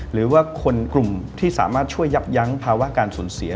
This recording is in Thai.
หรือว่าคนกลุ่มที่สามารถช่วยยับยั้งภาวะการสูญเสีย